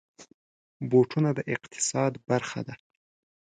بوټونه د اقتصاد برخه ده.